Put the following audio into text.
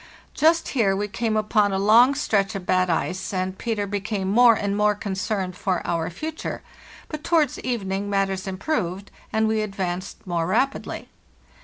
Just here we came upon a long stretch of bad ice, and Peter became more and more concerned for our future; but towards evening matters improved, and we advanced more rap idly.